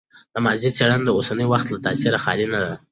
د ماضي څېړنه د اوسني وخت له تاثیره خالي نه ده.